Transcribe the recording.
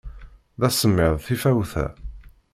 D asemmiḍ tifawt-a.